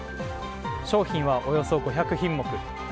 商品はおよそ５００品目。